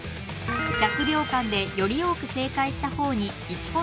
１００秒間でより多く正解した方に１ポイント入ります。